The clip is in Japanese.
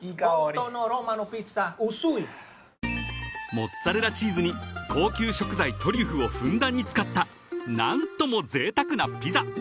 ［モッツァレラチーズに高級食材トリュフをふんだんに使った何ともぜいたくなピザ］